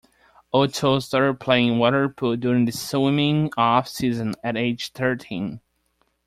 O'Toole started playing water polo during the swimming off-season at age thirteen.